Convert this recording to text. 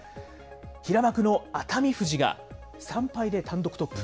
平幕の熱海富士が３敗で単独トップ。